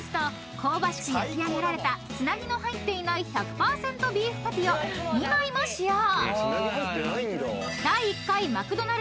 焼き上げられたつなぎの入っていない１００％ビーフパティを２枚も使用］